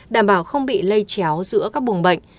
đảm bảo không bị lây chéo giữa các buồng bệnh